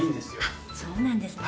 あっそうなんですね。